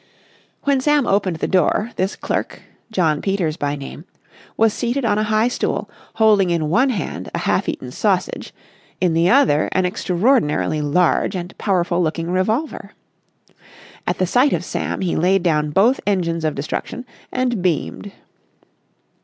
When Sam opened the door this clerk, John Peters by name, was seated on a high stool, holding in one hand a half eaten sausage, in the other an extraordinarily large and powerful looking revolver. At the sight of Sam he laid down both engines of destruction and beamed.